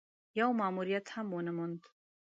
يو ماموريت هم ونه موند.